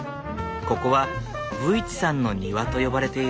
ここは武市さんの庭と呼ばれている。